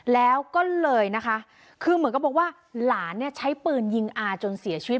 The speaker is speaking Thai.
แล้วก็เลยนะคะคือเหมือนกับบอกว่าหลานเนี่ยใช้ปืนยิงอาจนเสียชีวิต